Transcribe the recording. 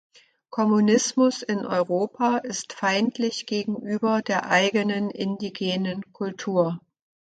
Kommunismus in Europa ist feindlich gegenüber der eigenen indigenen Kultur.